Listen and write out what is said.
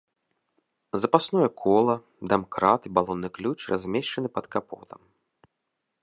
Запасное кола, дамкрат і балонны ключ размешчаны пад капотам.